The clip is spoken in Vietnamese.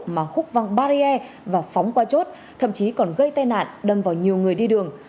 mà khúc văng barrier và phóng qua chốt thậm chí còn gây tai nạn đâm vào nhiều người đi đường